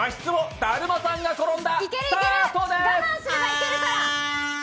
だるまさんがころんだ！